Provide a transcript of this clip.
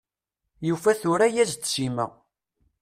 Yufa tura-yas-d Sima.